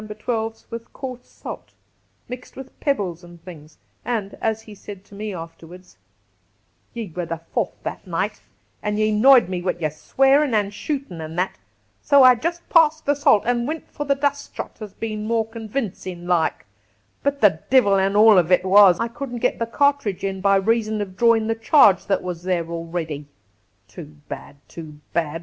12's with coarse salt, mixed with pebbles and things, and, as he said to me after wards :' Ye were the fourth that night, and ye 'noyed me wid yer swearin' an' shootin' an' that, so I just passed the salt an' wint for the dust shot as bein' more convincing like ; but the divil an' all of it was, I couldn't get the cartridge in by reason of drawin' the charge that was there already. Too bad ! too bad